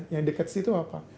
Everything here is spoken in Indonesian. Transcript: yang dekat situ apa